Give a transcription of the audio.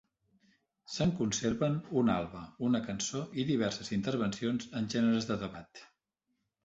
Se'n conserven una alba, una cançó i diverses intervencions en gèneres de debat.